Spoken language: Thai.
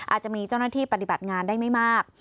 อาจจะมีเจ้าหน้าที่ปฏิบัติงานได้ไม่มาก